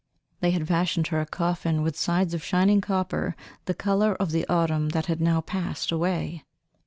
They had fashioned her a coffin with sides of shining copper the colour of the autumn that had now passed away.